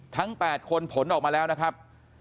ทั้ง๘คนผลออกมาแล้วนะครับ